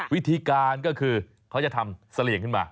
วิธีการก็คือเขาจะทำเสลี่ยงขึ้นมา